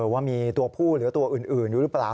ว่ามีตัวผู้หรือตัวอื่นอยู่หรือเปล่า